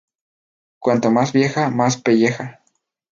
Cuanto más vieja, más pelleja